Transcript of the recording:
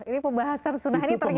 ini pembahasan sudah ini ternyata